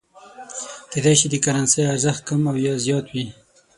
کېدای شي د کرنسۍ ارزښت کم او یا زیات وي.